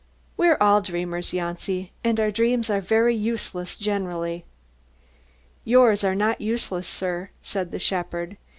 "We're all dreamers, Janci and our dreams are very useless generally." "Yours are not useless, sir," said the shepherd.